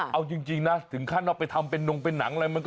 เอาจริงนะถึงขั้นเอาไปทำเป็นนงเป็นหนังอะไรมันก็